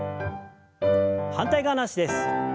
反対側の脚です。